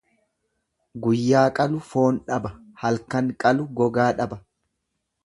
Guyyaa qalu foon dhaba halkan qalu gogaa dhaba.